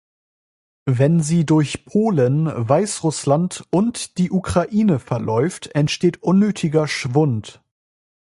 Wenn sie durch Polen, Weißrussland und die Ukraine verläuft, entsteht unnötiger Schwund.